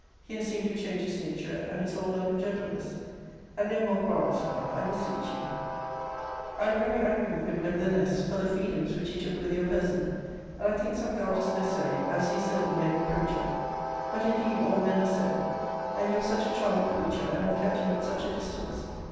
He has seemed to change his nature, and is all love and gentleness. [And no more quarrels now, I beseech you.] * See Letter XX. of this volume. [I am very angry with him, nevertheless, for the freedoms which he took with your person;* and I think some guard is necessary, as he is certainly an encroacher. But indeed all men are so; and you are such a charming creature, and have kept him at such a distance!